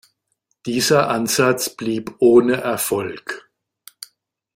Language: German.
Dieser Ansatz blieb ohne Erfolg.